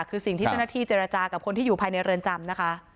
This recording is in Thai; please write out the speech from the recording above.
คือสิ่งที่เจ้าหน้าที่เจรจากับคนที่อยู่ภายในเรือนจำนะคะ